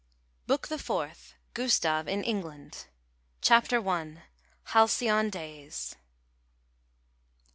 Book the Fourth. GUSTAVE IN ENGLAND. CHAPTER I. HALCYON DAYS.